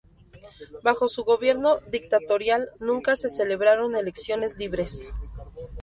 Bajo su gobierno dictatorial nunca se celebraron elecciones libres.